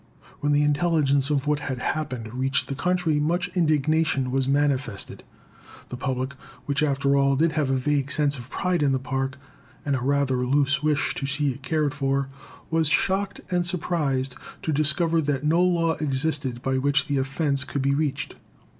When the intelligence of what had happened reached the country, much indignation was manifested. The public, which after all did have a vague sense of pride in the Park, and a rather loose wish to see it cared for, was shocked and surprised to discover that no law existed by which the offense could be reached.